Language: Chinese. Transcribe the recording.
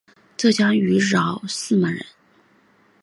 浙江余姚泗门人。